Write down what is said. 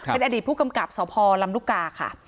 เป็นอดีตผู้กำกับสพลำลูกกาค่ะ